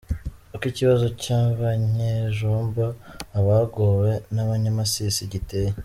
“Uko ikibazo cy’abanyejomba, abagowe n’abanyamasisi giteye”